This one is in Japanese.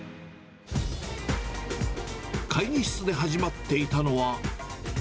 会議室で始まっていたのは。